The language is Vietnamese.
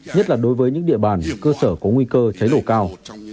nhất là đối với những địa bàn cơ sở có nguy cơ cháy nổ cao